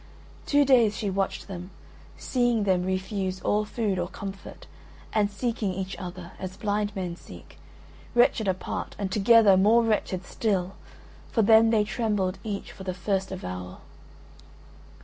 Two days she watched them, seeing them refuse all food or comfort and seeking each other as blind men seek, wretched apart and together more wretched still, for then they trembled each for the first avowal.